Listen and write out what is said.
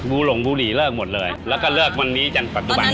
บูหลงบุรีเลิกหมดเลยแล้วก็เลิกวันนี้จนปัจจุบัน